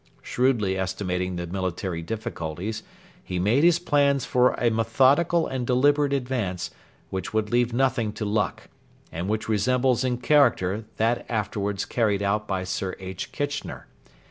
Shrewdly estimating the military difficulties, he made his plans for a methodical and deliberate advance which would leave nothing to luck, and which resembles in character that afterwards carried out by Sir H. Kitchener.